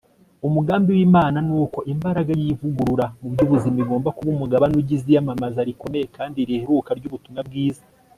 umugambi w'imana ni uko imbaraga y'ivugurura mu by'ubuzima igomba kuba umugabane ugize iyamamaza rikomeye kandi riheruka ry'ubutumwa bwiza